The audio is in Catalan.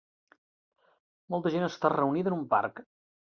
Molta gent està reunida en un parc.